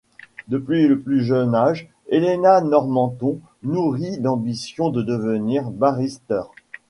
Depuis le plus jeune âge, Helena Normanton nourrit l'ambition de devenir barrister.